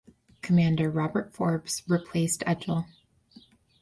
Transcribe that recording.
Commander Robert Forbes replaced Edgell.